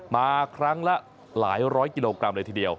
มาครั้งละหลายร้อยกิโลกรัมเลยทีเดียว